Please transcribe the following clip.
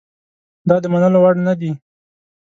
دا د منلو وړ نه دي.